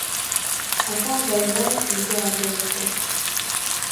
Афонд Ажва йгьи абазаква.